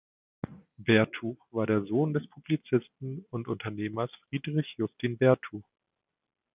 Bertuch war der Sohn des Publizisten und Unternehmers Friedrich Justin Bertuch.